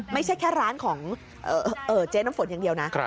ไม่ใช่แค่ร้านของเจ๊น้ำฝนอย่างเดียวนะ